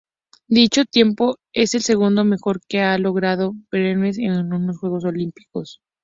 Dicho tiempo es el segundo mejor que ha logrado Brenes en unos Juegos Olímpicos.